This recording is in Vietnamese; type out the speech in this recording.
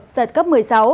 giật cấp một mươi sáu